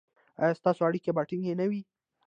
ایا ستاسو اړیکې به ټینګې نه وي؟